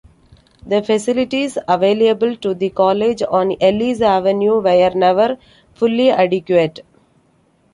The facilities available to the College on Ellice Avenue were never fully adequate.